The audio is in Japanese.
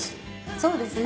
そうですね。